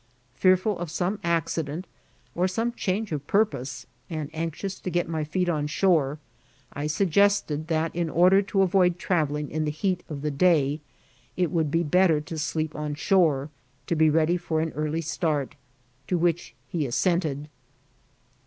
Fearful of some accident or some change of pur* pose, and anxious to get my feet on shore, I suggested that, in order to avoid travelling in the heat of the day, it would be better to sleep on shore, to be ready for an early start, to which he assented.